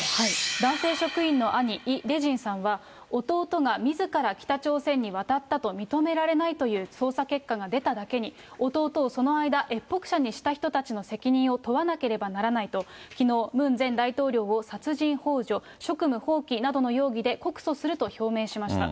男性職員の兄、イ・レジンさんは、弟がみずから北朝鮮に渡ったと認められないという捜査結果が出ただけに、弟をその間、越北者にした人たちの責任を問わなければならないときのう、ムン前大統領を殺人ほう助、職務放棄などの容疑で告訴すると表明しました。